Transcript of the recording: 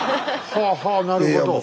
はあはあなるほど。